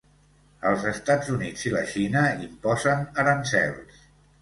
Els Estats Units i la Xina imposen aranzels